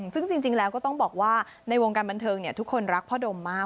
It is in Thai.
ซึ่งจริงแล้วก็ต้องบอกว่าในวงการบันเทิงทุกคนรักพ่อดมมาก